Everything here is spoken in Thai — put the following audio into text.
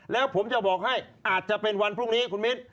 แล้วผมจะบอกให้อาจจะเป็นวันพรุ่งนี้คุณมิ้น